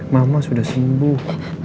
mama sudah sembuh